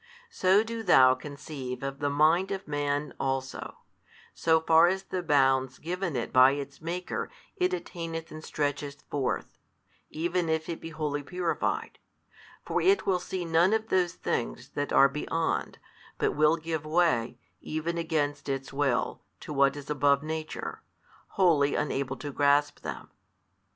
So do thou conceive of the mind of man also, so far as the bounds given it by its Maker it attaineth and stretcheth forth, even if it be wholly purified; for it will see none of those things that are beyond, but will give way, even against its will, to what is above nature, wholly unable to grasp them.